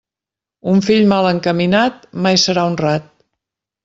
Un fill mal encaminat, mai serà honrat.